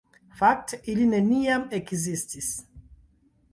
Fakte, ili neniam ekzistis.